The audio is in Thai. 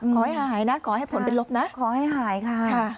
ขอให้หายนะขอให้ผลเป็นลบนะขอให้หายค่ะ